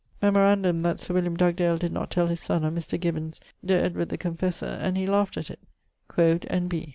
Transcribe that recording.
Memorandum that Sir William Dugdale did not tell his son or Mr. Gibbons de Edward the Confessor and he laught at it quod N. B.